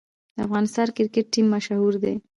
د افغانستان کرکټ ټیم مشهور دی